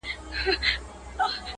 چي منگول يې ټينگ پر سر د بيزو وان سول!.